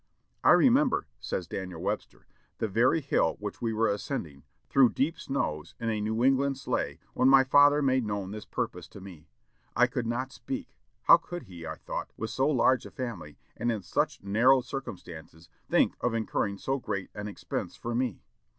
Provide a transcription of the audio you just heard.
"I remember," says Daniel Webster, "the very hill which we were ascending, through deep snows, in a New England sleigh, when my father made known this purpose to me. I could not speak. How could he, I thought, with so large a family, and in such narrow circumstances, think of incurring so great an expense for me?